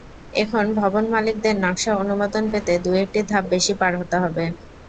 এখন ভবনমালিকদের নকশা অনুমোদন পেতে দু-একটি ধাপ বেশি পার হতে হবে।